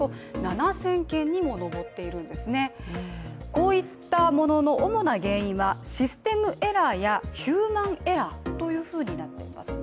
こういったものの主な原因はシステムエラーやヒューマンエラーとなっています。